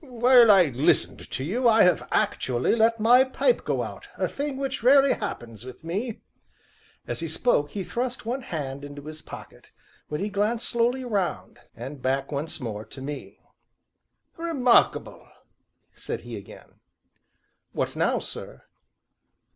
"While I listened to you I have actually let my pipe go out a thing which rarely happens with me." As he spoke he thrust one hand into his pocket, when he glance slowly all round, and back once more to me. "Remarkable!" said he again. "What now, sir?"